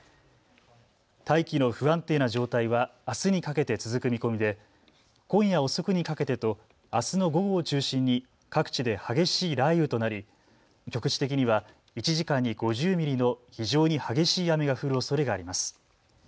大気の不安定な状態はあすにかけて続く見込みで今夜遅くにかけてとあすの午後を中心に各地で激しい雷雨となり局地的には１時間に５０ミリの非常に激しい雨が降るおそれがあります。